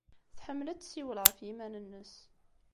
Tḥemmel ad tessiwel ɣef yiman-nnes.